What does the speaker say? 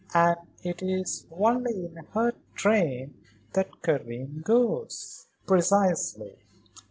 And it is only in her train that Karen goes." "Precisely."